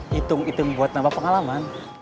hitung hitung buat nambah pengalaman